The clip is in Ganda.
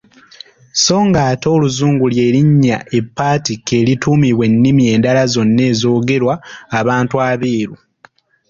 Sso ng'ate Oluzungu lye linnya eppaatiike erituumibwa ennimi endala zonna ezoogerwa abantu abeeru.